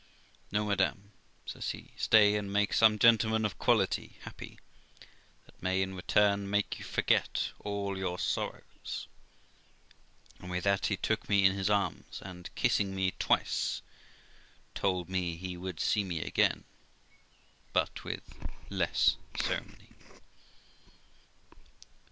No, madam' says he; 'stay and make some gentleman of quality happy, that may, in return, make you forget all your sorrows'; and with that he took me in his arms, and kissing me twice, told me he would see me again, but with less ceremony.